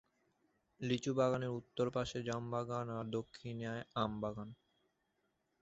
লিচু বাগানের উত্তর পাশে জাম বাগান আর দক্ষিণে আম বাগান।